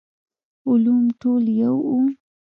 علوم ټول يو وو.